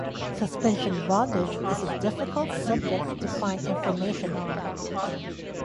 Suspension bondage is a difficult subject to find information on.